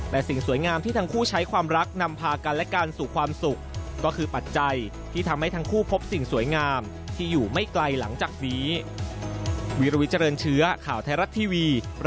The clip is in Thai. แต่สิ่งสวยงามที่ทั้งคู่ใช้ความรักนำพากันและกันสู่ความสุขก็คือปัจจัยที่ทำให้ทั้งคู่พบสิ่งสวยงามที่อยู่ไม่ไกลหลังจากนี้